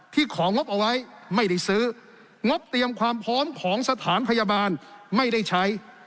ของงบเอาไว้ไม่ได้ซื้องบเตรียมความพร้อมของสถานพยาบาลไม่ได้ใช้